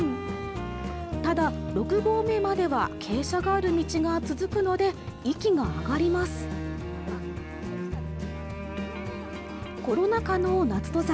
ただ６合目までは傾斜がある道が続くので息が上がりますコロナ禍の夏登山。